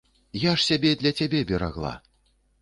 Я ж сябе для цябе берагла.